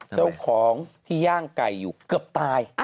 เจ้าของที่ย่างไก่อยู่เกือบตาย